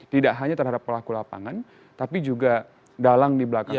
tidak hanya terhadap pelaku lapangan tapi juga dalang di belakang